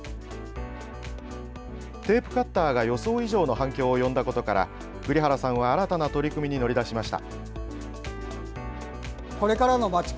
テープカッターが予想以上の反響を呼んだことから栗原さんは新たな取り組みに乗り出しました。